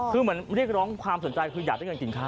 คือเหมือนเรียกร้องความสนใจคืออยากได้เงินกินข้าว